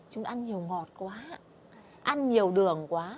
chúng ăn nhiều ngọt quá ăn nhiều đường quá